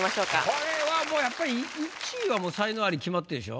これはもうやっぱり１位は才能アリ決まってるでしょ。